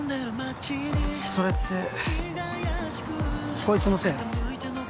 それってこいつのせい？